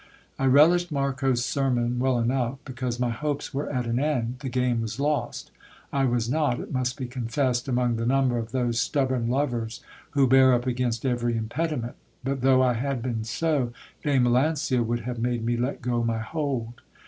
I relished Marcos' sermon well enough, because my hopes were at an end, the game was lost. I was not, it must be confessed, among the number of those stubborn lovers who bear up against every impediment ; but though I had been so, Dame Melancia would have made me let go my hold.